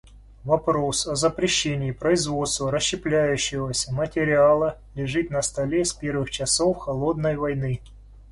Вопрос о запрещении производства расщепляющегося материала лежит на столе с первых часов "холодной войны".